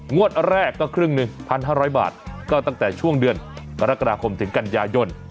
งวดแรกก็ครึ่งหนึ่ง๑๕๐๐บาทก็ตั้งแต่ช่วงเดือนกรกฎาคมถึงกันยายน